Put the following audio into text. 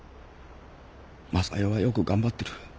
昌代はよく頑張ってる。